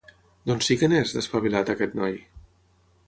Doncs sí que n'és, d'espavilat, aquest noi.